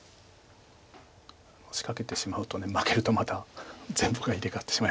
仕掛けてしまうと負けるとまた全部が入れ替わってしまいますから。